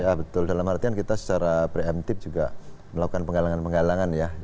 ya betul dalam artian kita secara preemptif juga melakukan penggalangan penggalangan ya